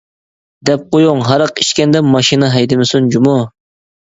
دەپ قويۇڭ، ھاراق ئىچكەندە ماشىنا ھەيدىمىسۇن جۇمۇ.